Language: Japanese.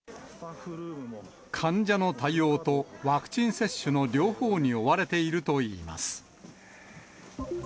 患者の対応とワクチン接種の両方に追われているといいます。